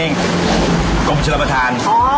ในกรรมเชื้อรับอาทาน